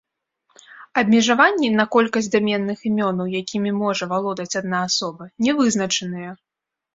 Абмежаванні на колькасць даменных імёнаў, якімі можа валодаць адна асоба, не вызначаныя.